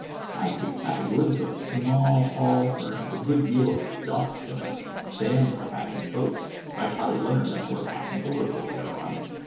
I could catch a glimpse of a small hall fur nished with a good deal of dust and a stand for hats and coats. I spotted Leonard's excellent hat and overcoat thereon.